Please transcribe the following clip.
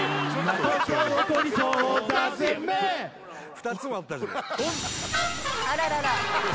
２つもあったじゃないあららら